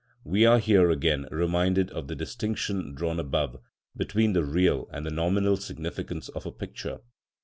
We are here again reminded of the distinction drawn above between the real and the nominal significance of a picture.